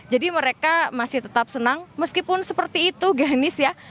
jadi mereka masih tetap senang meskipun seperti itu glenis ya